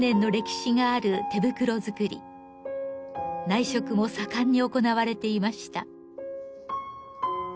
内職も盛んに行われていました。